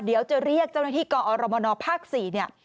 เดี๋ยวจะเรียกเจ้าหน้าที่กอรมนภ๔เนี่ย